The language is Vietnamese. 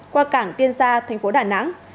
qua cảng tiên sa thành phố đà nẵng